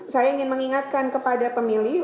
saya ingin mengingatkan kepada pemilih